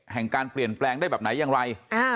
แห่งการเปลี่ยนแปลงได้แบบไหนอย่างไร